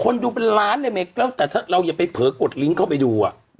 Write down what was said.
ดูเป็นล้านเลยเมแล้วแต่ถ้าเราอย่าไปเผลอกดลิงก์เข้าไปดูอ่ะ